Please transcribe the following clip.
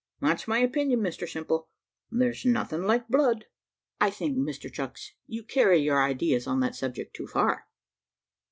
That's my opinion, Mr Simple there's nothing like blood." "I think, Mr Chucks, you carry your ideas on that subject too far."